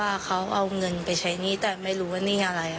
แต่ไม่รู้ว่านี่อะไร